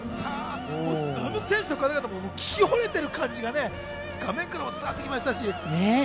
選手の方々たちも聞き惚れてる感じが画面からも伝わってきました。